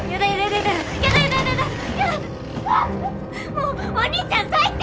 もうお兄ちゃん最低！